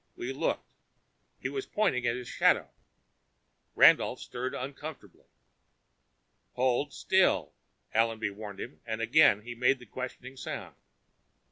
We looked. He was pointing at his shadow. Randolph stirred uncomfortably. "Hold still," Allenby warned him, and again he made the questioning sound.